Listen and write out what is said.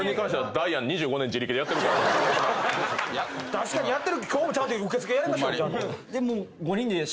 確かにやってる今日もちゃんと受け付けやりましたよ。